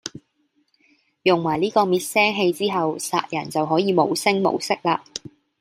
用埋呢個滅聲器之後，殺人就可以無聲無息喇